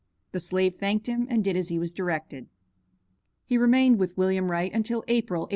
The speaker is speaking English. The slave thanked him and did as he was directed. He remained with William Wright until April, 1829.